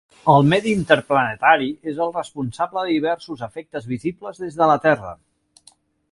El medi interplanetari és el responsable de diversos efectes visibles des de la Terra.